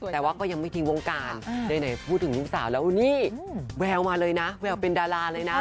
แต่ว่าก็ยังไม่ทิ้งวงการไหนพูดถึงลูกสาวแล้วนี่แววมาเลยนะแววเป็นดาราเลยนะ